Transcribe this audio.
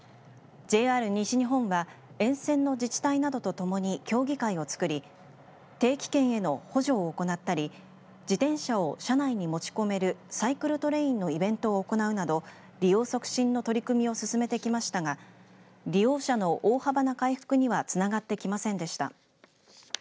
ＪＲ西日本は沿線の自治体などとともに協議会を作り定期券への補助を行ったり自転車を車内に持ち込めるサイクルトレインのイベントを行うなど利用促進の取り組みを進めてきましたが利用者の大幅な回復にはつながってきませんでした。